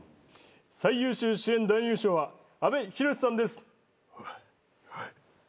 最優秀主演男優賞は阿部寛さんです。